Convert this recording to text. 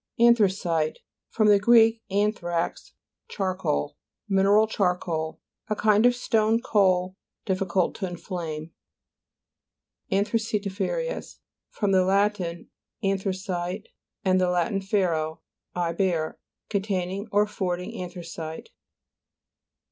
ANTHRACITE fr. gr. anthrax, char coal. Mineral charcoal. A kind of stone coal difficult to inflame. A'NTHRACITI'FEROUS fr. lat. an thracite, and the Lat. fero, I bear. Containing or affording anthra cite.